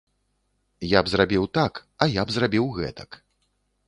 Я б зрабіў так, а я б зрабіў гэтак.